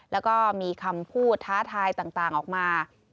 แล้วก็มีคำพูดท้าทายต่างออกมา